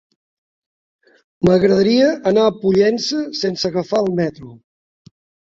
M'agradaria anar a Pollença sense agafar el metro.